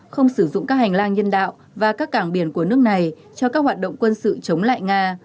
không sử dụng các hành lang nhân đạo và các cảng biển của nước này cho các hoạt động quân sự chống lại nga